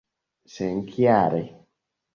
senkiale